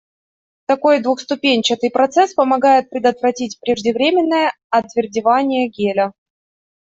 Такой двухступенчатый процесс помогает предотвратить преждевременное отвердевание геля.